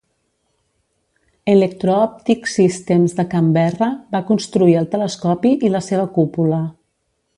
Electro Optics Systems de Canberra va construir el telescopi i la seva cúpula.